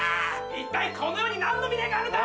一体この世に何の未練があるんだ！